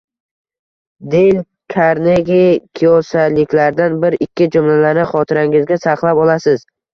Deyl Karnegi, Kiosakilardan bir-ikki jumlalarni xotirangizga saqlab olasiz.